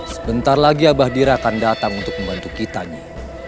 sebentar lagi abah dirah akan datang untuk membantu kitanya